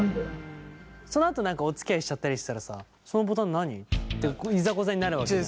そのあとおつきあいしちゃったりしたらさ「そのボタン何？」っていざこざになるわけじゃん。